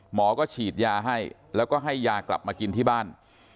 หมอก็ฉีดยาให้แล้วก็ให้ยากลับมากินที่บ้าน